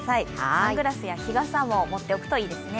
サングラスや日傘も持っておくといいですね。